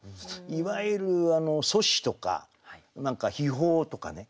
いわゆる祖師とか秘宝とかね。